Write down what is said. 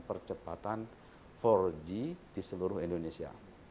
percepatan empat g di seluruh indonesia